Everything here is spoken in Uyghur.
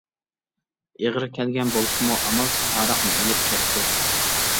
ئېغىر كەلگەن بولسىمۇ ئامالسىز ھاراقنى ئېلىپ كەپتۇ.